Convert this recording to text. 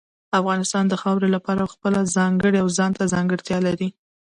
افغانستان د خاورې له پلوه خپله ځانګړې او ځانته ځانګړتیا لري.